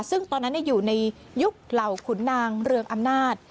ซึ่งตอนนั้นอยู่ในยุคเหล่าขุนนางเรืองอำนาจ